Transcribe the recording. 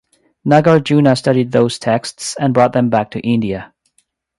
Nagarjuna studied those texts and brought them back to India.